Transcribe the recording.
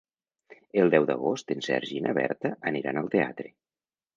El deu d'agost en Sergi i na Berta aniran al teatre.